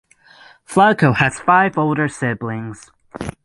Flacco has five older siblings.